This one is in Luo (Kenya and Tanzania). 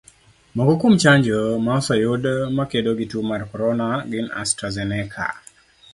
Moko kuom chanjo ma oseyud ma kedo gi tuo mar corona gin Astrazeneca,